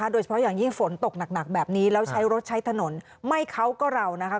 โดยเฉพาะอย่างยิ่งฝนตกหนักแบบนี้แล้วใช้รถใช้ถนนไม่เขาก็เรานะคะ